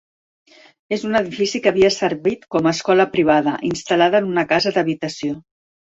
És un edifici que havia servit com a escola privada, instal·lada en una casa d'habitació.